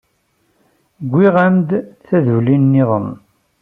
Wwiɣ-am-d taduli-nniḍen